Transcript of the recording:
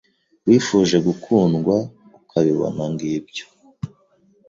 Wifuje gukundwa ukabibona ngibyo